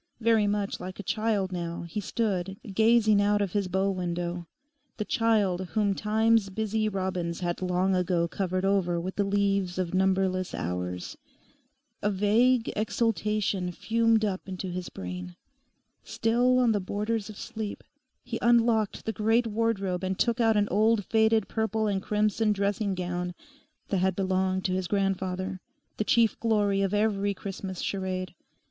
Very much like a child now he stood gazing out of his bow window—the child whom Time's busy robins had long ago covered over with the leaves of numberless hours. A vague exultation fumed up into his brain. Still on the borders of sleep, he unlocked the great wardrobe and took out an old faded purple and crimson dressing gown that had belonged to his grandfather, the chief glory of every Christmas charade.